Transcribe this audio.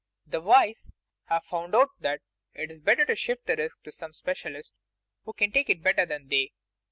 The wise have found out that it is better to shift the risk to some specialist who can take it better than they.